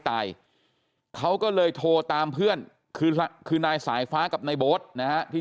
ตายเขาก็เลยโทรตามเพื่อนคือคือนายสายฟ้ากับนายโบ๊ทนะฮะที่